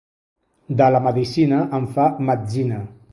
De la medicina en fa metzina.